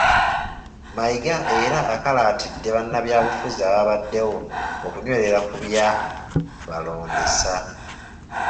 Mayiga era akalaatidde bannabyabufuzi ababaddewo okunywerera ku byabalondesa.